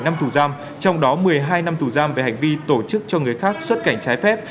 một mươi bảy năm tù giam trong đó một mươi hai năm tù giam về hành vi tổ chức cho người khác xuất cảnh trái phép